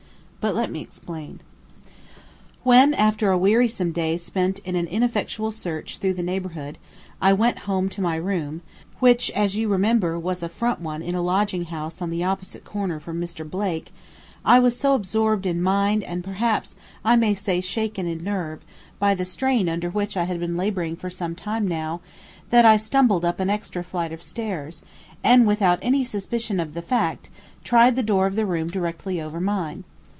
But let me explain. When after a wearisome day spent in an ineffectual search through the neighborhood, I went home to my room, which as you remember was a front one in a lodging house on the opposite corner from Mr. Blake, I was so absorbed in mind and perhaps I may say shaken in nerve, by the strain under which I had been laboring for some time now, that I stumbled up an extra flight of stairs, and without any suspicion of the fact, tried the door of the room directly over mine.